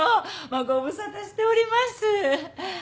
ご無沙汰しております。